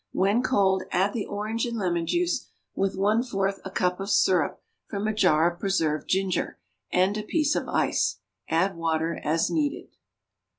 When cold add the orange and lemon juice, with one fourth a cup of syrup from a jar of preserved ginger, and a piece of ice. Add water as needed.